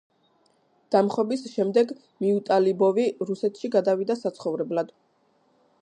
დამხობის შემდეგ მიუტალიბოვი რუსეთში გადავიდა საცხოვრებლად.